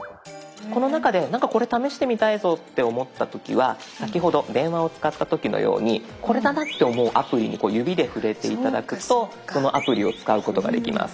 この中でなんかこれ試してみたいぞって思った時は先ほど電話を使った時のようにこれだなって思うアプリに指で触れて頂くとそのアプリを使うことができます。